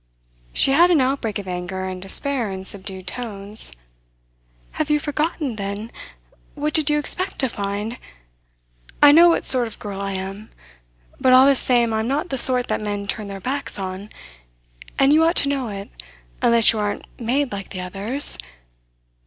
She had an outbreak of anger and despair in subdued tones. "Have you forgotten, then? What did you expect to find? I know what sort of girl I am; but all the same I am not the sort that men turn their backs on and you ought to know it, unless you aren't made like the others.